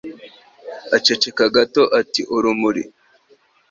Aceceka gato ati: "Urumuri".